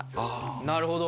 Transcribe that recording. なるほど。